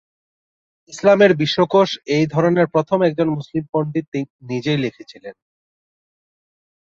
ইসলামের বিশ্বকোষ এই ধরনের প্রথম একজন মুসলিম পণ্ডিত নিজেই লিখেছিলেন।